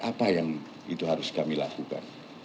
apa yang itu harus kami lakukan